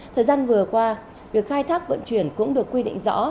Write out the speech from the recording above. thời gian vừa qua việc khai thác vận chuyển cũng được quy định rõ